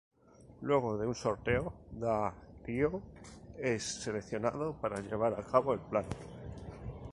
Luego de un sorteo, Daario es seleccionado para llevar a cabo el plan.